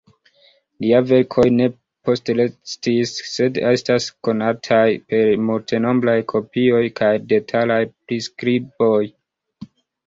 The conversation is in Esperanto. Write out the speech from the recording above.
Liaj verkoj ne postrestis, sed estas konataj per multenombraj kopioj kaj detalaj priskriboj.